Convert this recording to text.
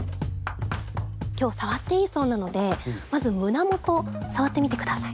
今日触っていいそうなのでまず胸元触ってみて下さい。